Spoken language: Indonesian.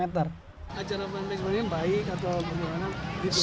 acara sepeda santai ini baik atau gimana